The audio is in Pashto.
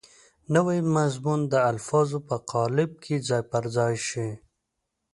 نوی مضمون د الفاظو په قالب کې ځای پر ځای شي.